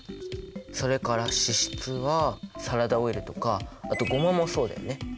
それから脂質はサラダオイルとかあとゴマもそうだよね。